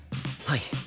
はい！